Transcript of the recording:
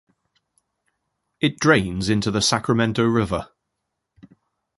It drains into the Sacramento River.